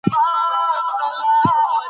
خپل کاروبار په مینه او شوق سره پرمخ یوسه.